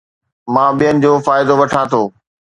مان ٻين جو فائدو وٺان ٿو